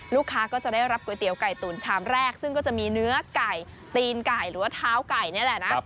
ลูกค้าก็จะได้รับก๋วยเตี๋ยวไก่ตุ๋นชามแรกซึ่งก็จะมีเนื้อไก่ตีนไก่หรือว่าเท้าไก่นี่แหละนะ